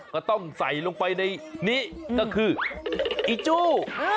ก็ต้องใส่ลงไปในนี้ก็คืออีจู้